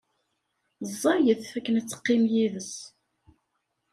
Ẓẓayet akken ad teqqim yid-s.